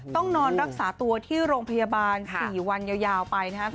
ต้องนอนรักษาตัวที่โรงพยาบาล๔วันยาวไปนะครับ